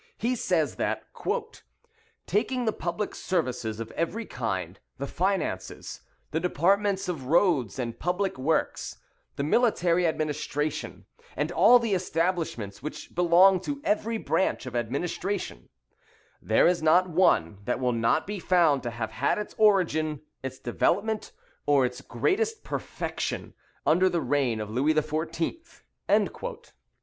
He says, that, "taking the public services of every kind, the finances, the departments of roads and public works, the military administration, and all the establishments which belong to every branch of administration, there is not one that will not be found to have had its origin, its development, or its greatest perfection, under the reign of Louis XIV." [History of European Civilization, Lecture 13.